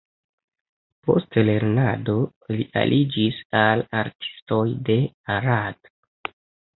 Post lernado li aliĝis al artistoj de Arad.